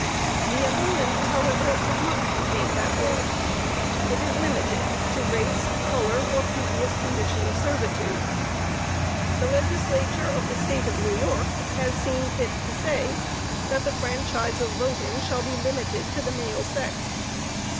The amendment, however, does not contain that word. It is limited to race, color, or previous condition of servitude. The Legislature of the State of New York has seen fit to say, that the franchise of voting shall be limited to the male sex.